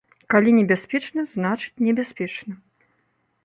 Калі небяспечна, значыць небяспечна.